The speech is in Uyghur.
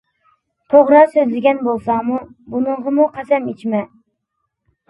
توغرا سۆزلىگەن بولساڭمۇ، بۇنىڭغىمۇ قەسەم ئىچمە.